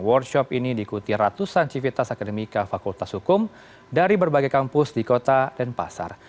workshop ini diikuti ratusan civitas akademika fakultas hukum dari berbagai kampus di kota denpasar